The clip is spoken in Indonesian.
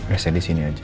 wait saya disini aja